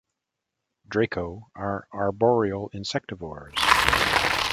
"Draco" are arboreal insectivores.